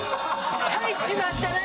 入っちまったな！